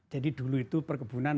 jadi dulu itu perkembangan kita